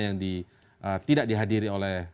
yang tidak dihadiri oleh